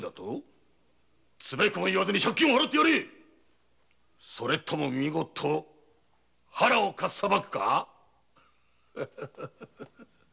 ツベコベ言わずに借金払ってやれそれとも見事腹をかっさばくか？